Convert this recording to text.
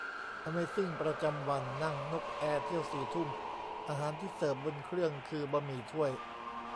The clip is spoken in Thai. อเมซิ่งประจำวัน : นั่งนกแอร์เที่ยวสี่ทุ่ม อาหารที่เสิร์ฟบนเครื่องคือ บะหมี่ถ้วย !